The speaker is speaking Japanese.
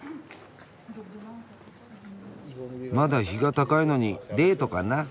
まだ日が高いのにデートかな？